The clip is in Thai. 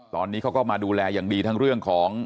ตอนนี้เขาก็มาดูแลอย่างดีทั้งเรื่องของ